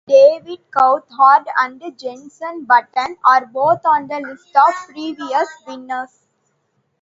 David Coulthard and Jenson Button are both on the list of previous winners.